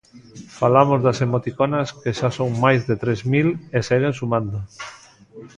Falamos das emoticonas, que xa son máis de tres mil e seguen sumando.